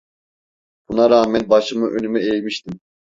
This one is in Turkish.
Buna rağmen başımı önüme eğmiştim.